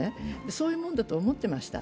そういうものだと思ってました。